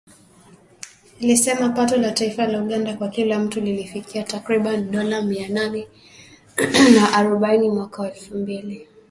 ilisema pato la taifa la Uganda kwa kila mtu lilifikia takriban dola mia nane na arobaini mwaka wa elfu mbili ishirini na moja.